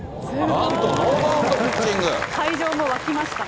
なんとノーバウンドピッチング。